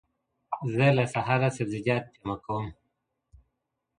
زه له سهاره سبزیجات جمع کوم،